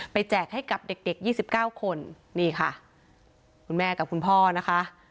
แจกให้กับเด็กเด็ก๒๙คนนี่ค่ะคุณแม่กับคุณพ่อนะคะ